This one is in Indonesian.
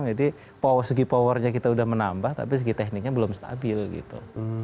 jadi kalau segi powernya kita udah menambah tapi segi tekniknya belum stabil gitu